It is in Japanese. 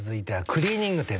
クリーニング店。